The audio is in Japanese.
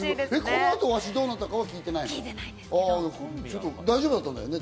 この後、ワシがどうなったかは聞いてないのね。